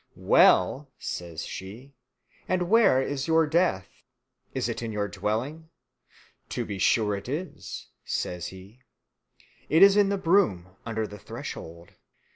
"Well," says she, "and where is your death? is it in your dwelling?" "To be sure it is," says he, "it is in the broom under the threshold."